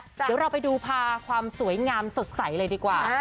เดี๋ยวเราไปดูพาความสวยงามสดใสเลยดีกว่า